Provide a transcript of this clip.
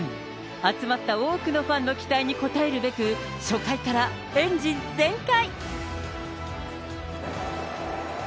集まった多くのファンの期待に応えるべく、初回からエンジン全開。